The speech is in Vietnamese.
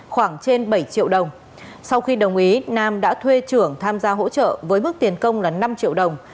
khoảng trên bảy triệu đồng sau khi đồng ý nam đã thuê trưởng tham gia hỗ trợ với mức tiền công là năm triệu đồng